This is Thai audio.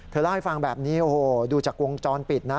เล่าให้ฟังแบบนี้โอ้โหดูจากวงจรปิดนะ